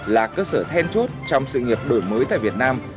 là cơ sở then chốt trong sự nghiệp đổi mới tại việt nam